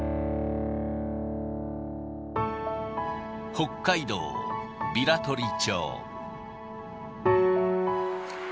北海道平取町。